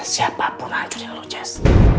siapapun hancurin lo jess